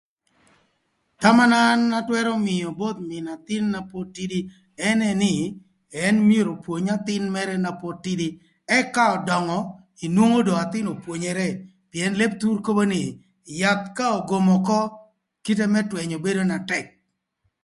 Thama na an atwërö mïö both mïn athïn na pod tïdï ënë nï ën myero opwony athïn mërë na pod tïdï ëk ka ödöngö inwongo athïn dong opwonyere pïën lëb thur kobo nï yath ka ogom ökö kite më thwënyö bedo na tëk.